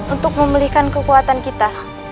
untuk memelihkan kekuatan kita